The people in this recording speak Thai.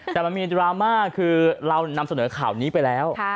แต่มันมีดราม่าคือเรานำเสนอข่าวนี้ไปแล้ว